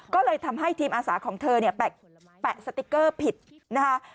ก็เลยทำให้ทีมอาสาของเธอเนี่ยแปะสติ๊กเกอร์ผิดนะคะ